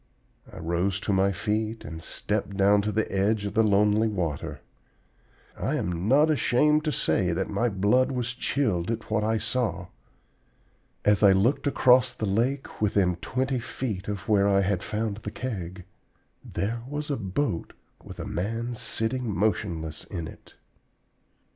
I rose to my feet and stepped down to the edge of the lonely water. I am not ashamed to say that my blood was chilled at what I saw. As I looked across the lake, within twenty feet of where I had found the Keg, there was a boat with a man sitting motionless in it!